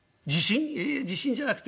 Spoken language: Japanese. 「いや地震じゃなくて。